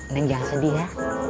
neng jangan sedih ya